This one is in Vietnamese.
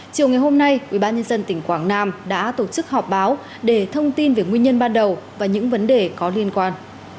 chiều ngày hôm nay ubnd tỉnh quảng nam đã tổ chức họp báo để thông tin về nguyên nhân ban đầu và những vấn đề có liên quan